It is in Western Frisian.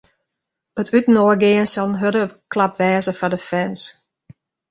It útinoargean sil in hurde klap wêze foar de fans.